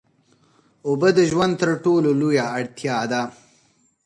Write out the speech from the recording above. اوبه د ژوند تر ټولو لویه اړتیا ده.